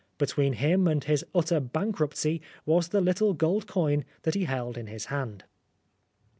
Between him and his utter bankruptcy was the little gold coin that he held in his hand.